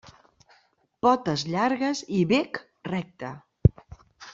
Potes llargues i bec recte.